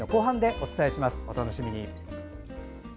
お楽しみに。